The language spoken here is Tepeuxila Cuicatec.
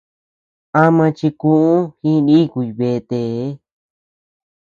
Ama chikuu jinikuy betee.